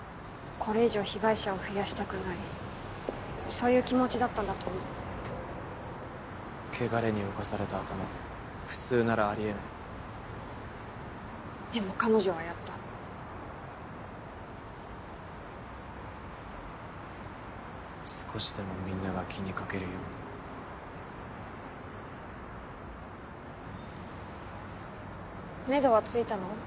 これ以上被害者を増やしたくないそういう気持ちだったんだと思う穢れに侵された頭で普通ならありえないでも彼女はやった少しでもみんなが気にかけるようにめどはついたの？